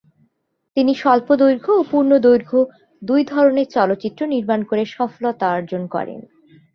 তিনি স্বল্পদৈর্ঘ্য ও পূর্ণদৈর্ঘ্য দুই ধরনের চলচ্চিত্র নির্মাণ করে সফলতা অর্জন করেন।